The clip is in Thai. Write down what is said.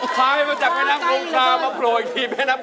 ขายมาจากโรงคลามาโครงอีกทีแม่น้ำโครง